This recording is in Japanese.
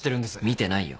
見てないよ。